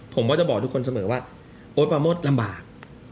ผมก็จะบอกทุกคนเสมอว่าโอ๊ตปาโมดลำบาก